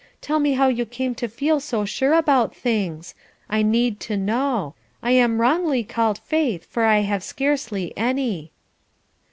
Tell me how you came to feel so sure about things. I need to know. I am wrongly called 'Faith,' for I have scarcely any."